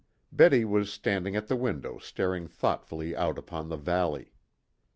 Betty was standing at the window staring thoughtfully out upon the valley.